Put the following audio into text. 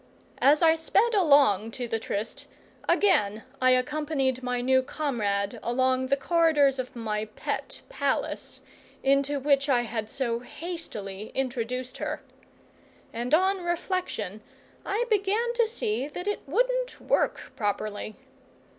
As I sped along to the tryst, again I accompanied my new comrade along the corridors of my pet palace into which I had so hastily introduced her; and on reflection I began to see that it wouldn't work properly.